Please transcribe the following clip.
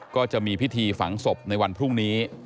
ก็จะมีพิธีฝังศพในวันพรุ่งนี้